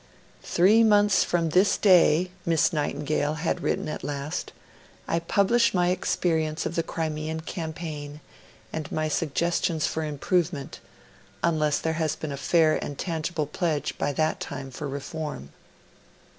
'Three months from this day,' Miss Nightingale had written at last, 'I publish my experience of the Crimean Campaign, and my suggestions for improvement, unless there has been a fair and tangible pledge by that time for reform.'